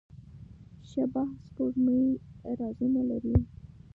شبح سپوږمۍ رازونه لري.